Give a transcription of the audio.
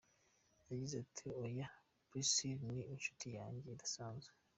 Yagize ati “Oya Priscilah ni inshuti yanjye idasanzwe.